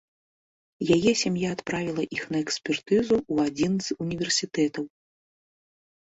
Яе сям'я адправіла іх на экспертызу ў адзін з універсітэтаў.